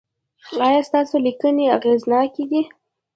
ایا ستاسو لیکنې اغیزناکې دي؟